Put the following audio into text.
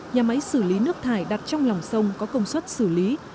nhà máy xử lý nước thải đặt trong lòng sông có công suất xử lý